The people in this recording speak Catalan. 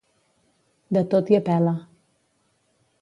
De tot i a pela.